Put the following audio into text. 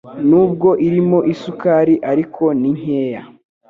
Nubwo irimo isukari ariko ni nkeya